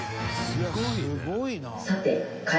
「すごいね」